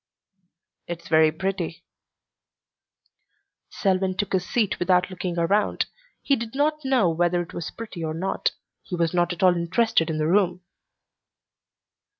"It's very pretty." Selwyn took his seat without looking around. He did not know whether it was pretty or not. He was not at all interested in the room.